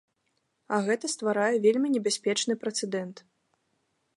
А гэта стварае вельмі небяспечны прэцэдэнт.